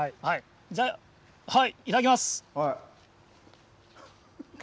じゃあ、いただきます。